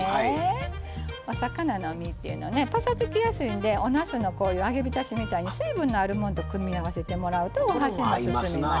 お魚の身っていうのはねぱさつきやすいんでおなすのこういう揚げびたしみたいに水分のあるもんと組み合わせてもらうとお箸も進みます。